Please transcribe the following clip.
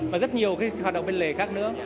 và rất nhiều cái hoạt động bên lề khác nữa